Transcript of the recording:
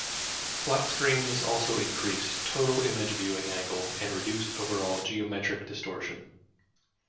Flat screens also increase total image viewing angle and reduce overall geometric distortion.